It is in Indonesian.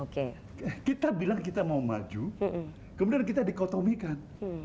kita bilang kita mau maju kemudian kita dikotomikan